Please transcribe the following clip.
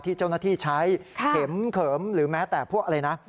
ที่เจ้าหน้าที่ใช้เข็มเขิมหรือแม้แต่พวกอะไรนะ